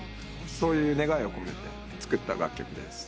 そういう願いを込めて作った楽曲です。